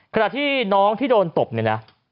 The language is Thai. ขณะที่น้องที่โดนตบเนี่ยนะ